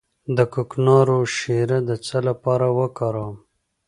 د کوکنارو شیره د څه لپاره وکاروم؟